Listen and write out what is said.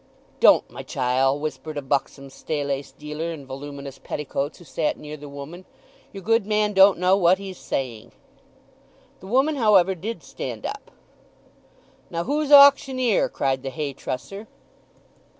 "Don't, my chiel," whispered a buxom staylace dealer in voluminous petticoats, who sat near the woman; "yer good man don't know what he's saying." The woman, however, did stand up. "Now, who's auctioneer?" cried the hay trusser.